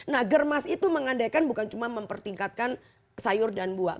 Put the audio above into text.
nah germas itu mengandaikan bukan cuma mempertingkatkan sayur dan buah